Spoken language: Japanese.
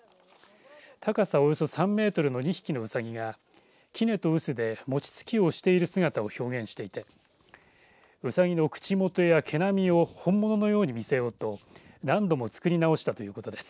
高さおよそ３メートルの２匹のうさぎがきねと臼で餅つきをしている姿を表現していてうさぎの口元や毛並みを本物のように見せようと何度も作り直したということです。